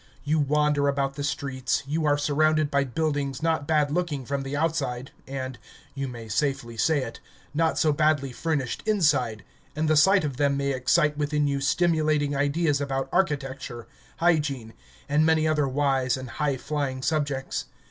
You wander about the streets, you are surrounded by buildings not bad looking from the outside and you may safely say it not so badly furnished inside, and the sight of them may excite within you stimulating ideas about architecture, hygiene, and many other wise and high flying subjects.